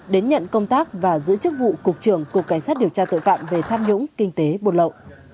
đến nhận công tác và giữ chức vụ cục trưởng cục cảnh sát điều tra tội phạm về tham nhũng kinh tế buôn lậu